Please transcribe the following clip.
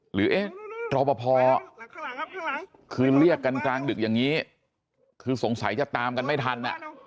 เอ๊ะรอปภคือเรียกกันกลางดึกอย่างนี้คือสงสัยจะตามกันไม่ทัน